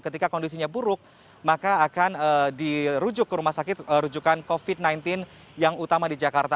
ketika kondisinya buruk maka akan dirujuk ke rumah sakit rujukan covid sembilan belas yang utama di jakarta